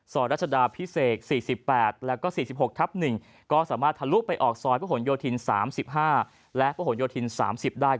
รัชดาพิเศษ๔๘แล้วก็๔๖ทับ๑ก็สามารถทะลุไปออกซอยพระหลโยธิน๓๕และพระหลโยธิน๓๐ได้